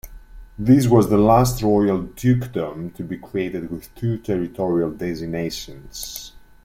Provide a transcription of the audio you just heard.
This was the last royal dukedom to be created with two territorial designations.